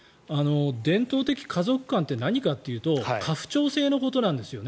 伝統的家族観って何かというと家父長制のことなんですよね。